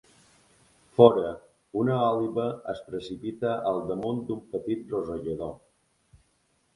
Fora, una òliba es precipita al damunt d'un petit rosegador.